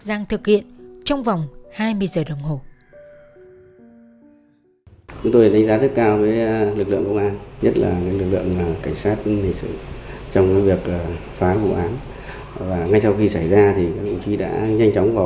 bắc giang thực hiện trong vòng hai mươi giờ đồng hồ